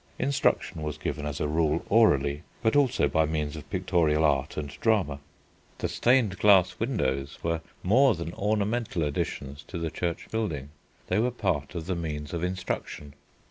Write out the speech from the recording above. Instruction was given as a rule orally, but also by means of pictorial art and drama. The stained glass windows were more than ornamental additions to the church building: they were part of the means of instruction.